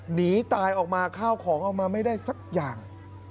หนีตายออกมาข้าวของออกมาไม่ได้สักอย่าง